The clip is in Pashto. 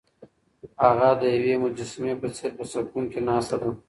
هغه د یوې مجسمې په څېر په سکون کې ناسته ده.